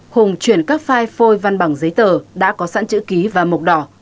hùng chuyển các file phôi văn bằng giấy tờ đã có sẵn chữ ký và mộc đỏ